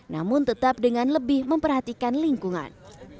namun tetap dengan lebih memperhatikan lingkungan